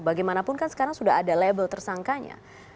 bagaimanapun kan sekarang sudah ada label tersangkanya